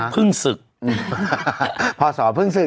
พศเพิ่งศึก